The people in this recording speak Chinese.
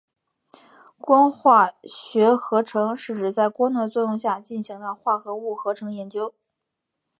光化学合成是指在光的作用下进行的化合物合成研究。